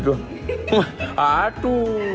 udah gitu doang